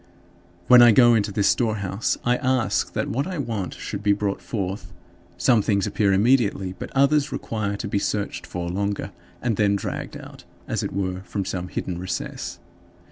When I go into this storehouse, I ask that what I want should be brought forth. Some things appear immediately, but others require to be searched for longer, and then dragged out, as it were, from some hidden recess.